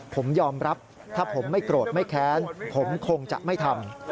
ผมยอมรับถ้าผมไม่โกรธไม่แค้นผมคงจะไม่ทำ